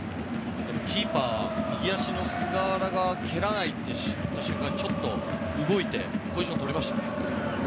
キーパー、右足の菅原が蹴らないとなった瞬間にちょっと動いてポジションを取りましたね。